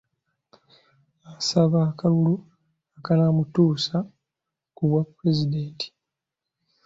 Asaba akalulu akanaamutuusa ku bwapulezidenti.